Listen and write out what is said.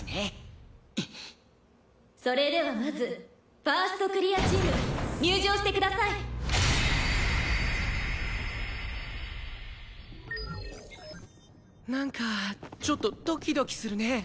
「それではまず１ｓｔクリアチーム入場してください」なんかちょっとドキドキするね。